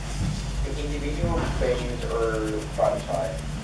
The individual venues are franchised.